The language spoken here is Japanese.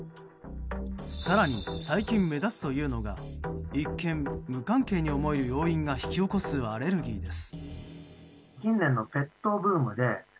更に最近目立つというのが一見、無関係に思える要因が引き起こすアレルギーです。